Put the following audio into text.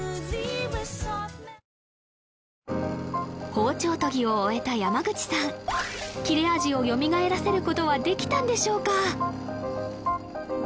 包丁研ぎを終えた山口さん切れ味をよみがえらせることはできたんでしょうか？